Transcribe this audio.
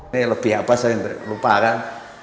ini lebih apa saya lupa kan